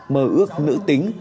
mơ ước nữ tính